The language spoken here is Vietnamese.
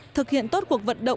thực hiện tốt cuộc vận động